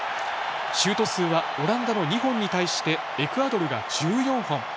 シュート数は、オランダの２本に対してエクアドルが１４本。